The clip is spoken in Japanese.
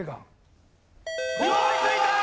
追いついたー！